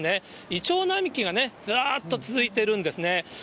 イチョウ並木がずらっと続いているんですね。